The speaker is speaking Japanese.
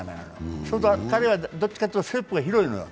そうすると彼はどっちかというとステップが広いのよ。